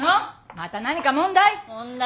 また何か問題？